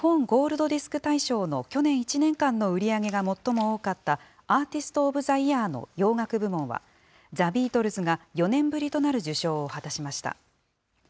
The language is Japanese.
ゴールドディスク大賞の去年１年間の売り上げが最も多かったアーティスト・オブ・ザ・イヤーの洋楽部門は、ザ・ビートルズが４年ぶりとなる受賞を果たしました。